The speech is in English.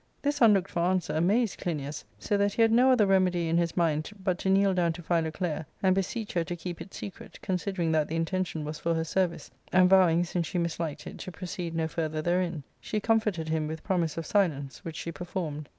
This unlooked for answer amazed Clinias, so that he had no other remedy in his mind but to kneel down to Philoclea and beseech her to keep it secret, considering that the intention was for her service ; and vowing, since she misliked it, to proceed no further therein, she comforted him with promise of silence, which she performed.